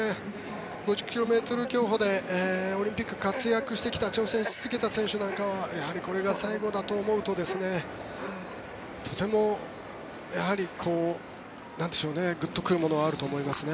５０ｋｍ競歩でオリンピックで活躍してきた調整してきた選手はこれが最後だと思うととてもグッとくるものはあると思いますね。